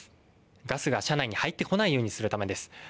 ガスが車内に入ってこないようにするためです。